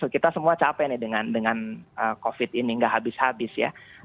kita semua capek nih dengan covid ini gak habis habis ya